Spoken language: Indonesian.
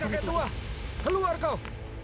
hei kakek tua keluar kau